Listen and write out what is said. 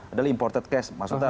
adalah imported case maksudnya